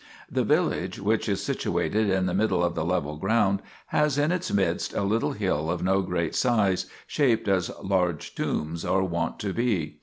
The village, which is situated in the middle of the level ground, has in its midst a little hill of no great size, shaped as large tombs are wont to be.